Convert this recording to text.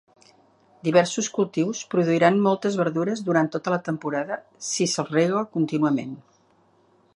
Diversos cultius produiran moltes verdures durant tota la temporada si se'ls rega contínuament.